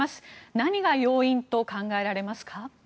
何が要因と考えられますか？